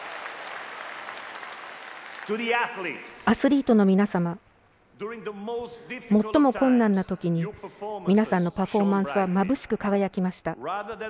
アスリートの皆様最も困難なときに皆さんのパフォーマンスはまぶしく輝きました。